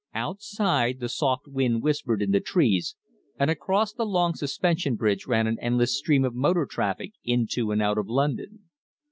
Outside, the soft wind whispered in the trees and across the long suspension bridge ran an endless stream of motor traffic into and out of London.